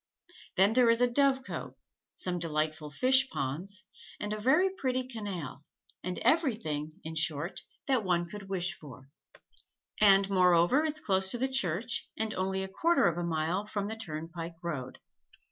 Then there is a dovecote, some delightful fish ponds, and a very pretty canal, and everything, in short, that one could wish for; and moreover it's close to the church and only a quarter of a mile from the turnpike road.